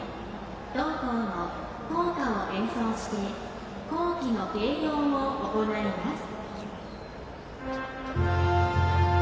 同校の校歌を演奏して校旗の掲揚を行います。